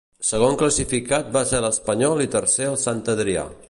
Segon classificat va ser l'Espanyol i tercer el Sant Adrià.